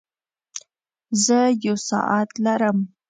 زۀ يو ساعت لرم.